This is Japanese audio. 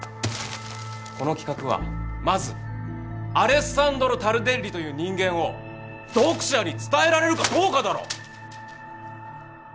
この企画はまずアレッサンドロ・タルデッリという人間を読者に伝えられるかどうかだろ！